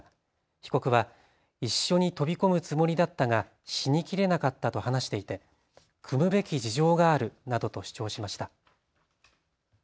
被告は一緒に飛び込むつもりだったが死にきれなかったと話していて酌むべき事情があるなどと主張しました。